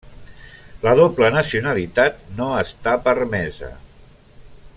La doble nacionalitat no està permesa.